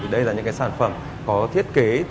đây là những sản phẩm có thiết kế